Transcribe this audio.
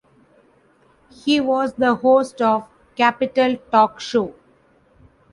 He was the host of "Capital Talk Show".